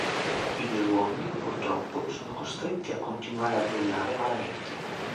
I due uomini, purtroppo, sono costretti a continuare a duellare malamente.